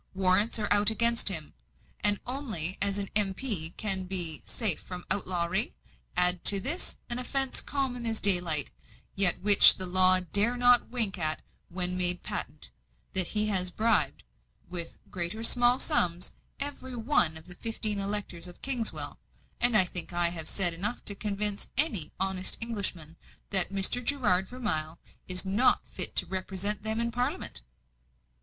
Warrants are out against him; and only as an M.P. can he be safe from outlawry. Add to this, an offence common as daylight, yet which the law dare not wink at when made patent that he has bribed, with great or small sums, every one of the fifteen electors of Kingswell; and I think I have said enough to convince any honest Englishman that Mr. Gerard Vermilye is not fit to represent them in Parliament."